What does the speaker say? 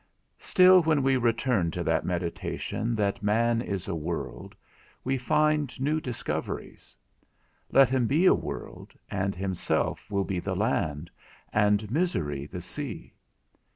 Still when we return to that meditation that man is a world, we find new discoveries. Let him be a world, and himself will be the land, and misery the sea.